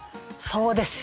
そうです。